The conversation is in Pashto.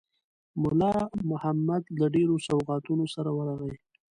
مُلا محمد له ډېرو سوغاتونو سره ورغی.